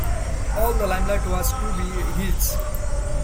All the limelight was to be his.